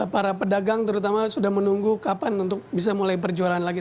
para pedagang terutama sudah menunggu kapan untuk bisa mulai berjualan lagi